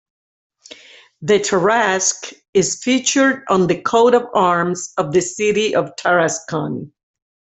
The Tarasque is featured on the coat of arms of the city of Tarascon.